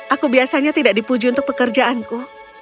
aku biasanya tidak dipuji untuk pekerjaanku